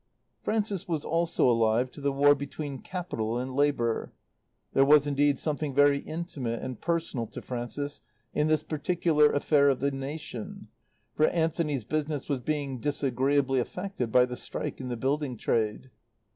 Frances was also alive to the war between Capital and Labour. There was, indeed, something very intimate and personal to Frances in this particular affair of the nation; for Anthony's business was being disagreeably affected by the strike in the building trade.